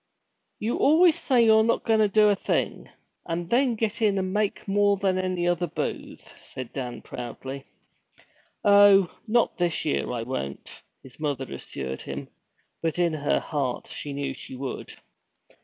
'You always say you're not going to do a thing, and then get in and make more than any other booth!' said Dan proudly. 'Oh, not this year, I won't,' his mother assured him. But in her heart she knew she would.